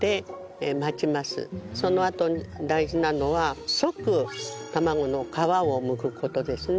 そのあと大事なのは即卵の皮を剥く事ですね。